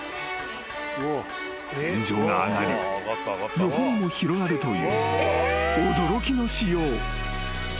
［天井が上がり横にも広がるという驚きの仕様］